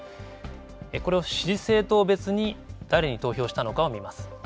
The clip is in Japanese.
これを支持政党別に誰に投票したのかを見ます。